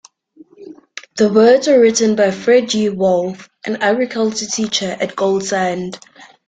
The words were written by Fred U. Wolfe, an agriculture teacher at Gold Sand.